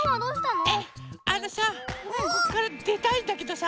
あのさこっからでたいんだけどさ